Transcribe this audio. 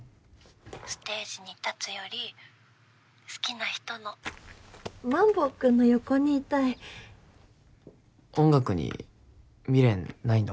☎ステージに立つより好きな人のマンボウ君の横にいたい音楽に未練ないの？